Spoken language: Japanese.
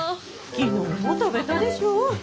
昨日も食べたでしょ？